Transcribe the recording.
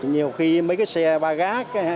nhiều khi mấy cái xe ba gác